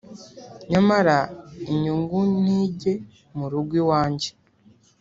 nyamara inyungu ntijye mu rugo iwanjye